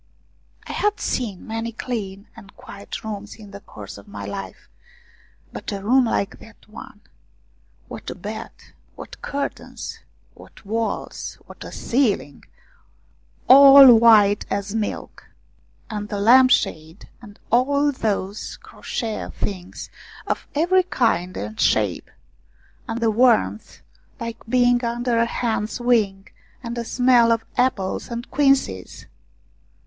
I had seen many clean and quiet rooms in the course of my life, but a room like that one ! What a bed ! What curtains ! W T hat walls ! What a ceiling ! All white as milk. And the lamp shade, and all those crochet things of every kind and shape ! And the warmth, like being under a hen's wing, and a smell of apples and quinces